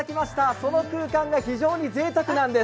その空間が非常にぜいたくなんです。